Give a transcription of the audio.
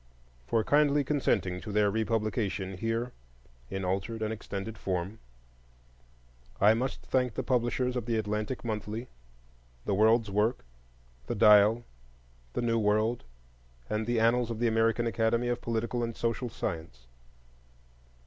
For kindly consenting to their republication here, in altered and extended form, I must thank the publishers of the Atlantic Monthly, The World's Work, the Dial, The New World, and the Annals of the American Academy of Political and Social Science.